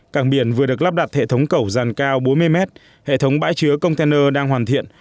cảng biển vừa được lắp đặt hệ thống cẩu dàn cao bốn mươi mét hệ thống bãi chứa container đang hoàn thiện